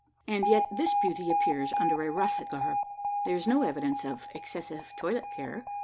And yet this beauty appears under a russet garb. There is no evidence of excessive toilet care.